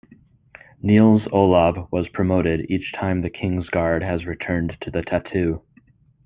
Nils Olav was promoted each time the King's Guard has returned to the Tattoo.